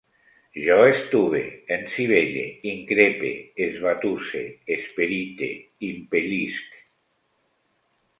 Jo estube, ensivelle, increpe, esbatusse, esperite, impel·lisc